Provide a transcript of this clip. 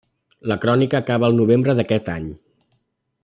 La crònica acaba el novembre d'aquest any.